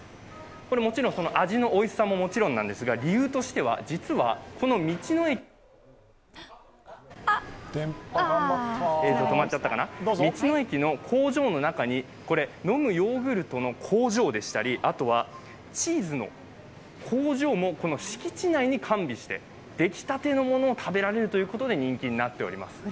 これ、もちろん味のおいしさももちろんなんですが、理由としては実は、この道の駅の工場の中に、のむヨーグルトの工場でしたりチーズの工場も敷地内に完備して、出来たてのものを食べられるということで、人気になっております。